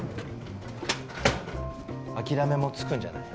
諦めもつくんじゃない？